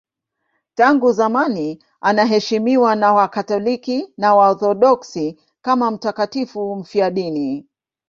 Tangu zamani anaheshimiwa na Wakatoliki na Waorthodoksi kama mtakatifu mfiadini.